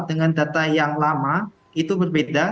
dengan data yang lama itu berbeda